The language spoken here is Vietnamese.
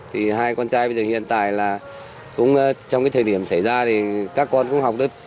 thì hai con trai bây giờ hiện tại là cũng trong cái thời điểm xảy ra thì các con cũng học đất